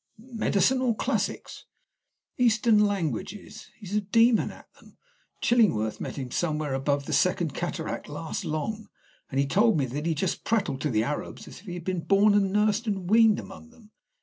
"Medicine or classics?" "Eastern languages. He's a demon at them. Chillingworth met him somewhere above the second cataract last long, and he told me that he just prattled to the Arabs as if he had been born and nursed and weaned among them.